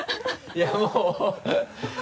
いやもう